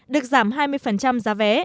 được giảm hai mươi giá vé